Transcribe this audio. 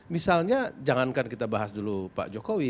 misalnya jangankan kita bahas dulu pak jokowi